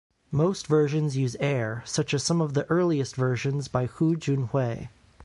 Most versions use air, such as some of the earliest versions by Hu Junhui.